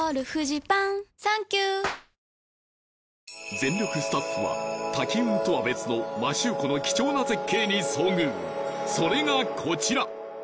全力スタッフは滝雲とは別の摩周湖の貴重な絶景に遭遇それがコチラ！